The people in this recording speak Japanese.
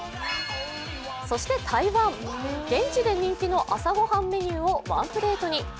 そして台湾、現地で人気の朝ごはんメニューをワンプレートに。